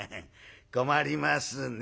困りますね